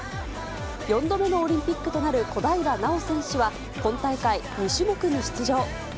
４度目のオリンピックとなる小平奈緒選手は、今大会２種目に出場。